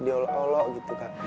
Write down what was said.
dia olok olok gitu kak